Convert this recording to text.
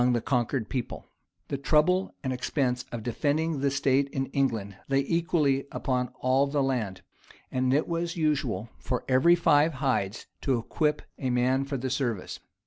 ] The trouble and expense of defending the state in England lay equally upon all the land; and it was usual for every five hides to equip a man for the service.